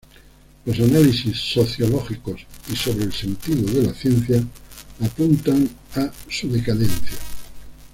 Los análisis sociológicos y sobre el sentido de la ciencia apuntan a su decadencia.